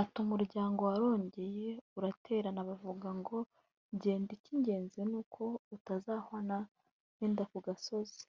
Ati “Umuryango warongeye uraterana baravuga ngo ‘genda icy’ingenzi ni uko utazahwana n’inda ku gasozi